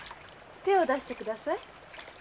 手を出してください。